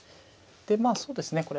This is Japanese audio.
でまあそうですね